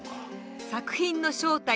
作品の正体